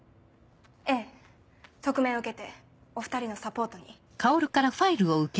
ええ特命を受けてお２人のサポートに。